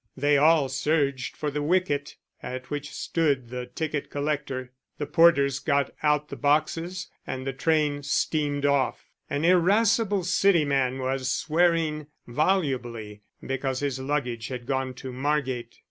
They all surged for the wicket, at which stood the ticket collector. The porters got out the boxes, and the train steamed off; an irascible city man was swearing volubly because his luggage had gone to Margate.